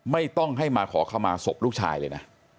ไม่ต้องให้มาขอเข้ามาศพลูกชายเลยนะ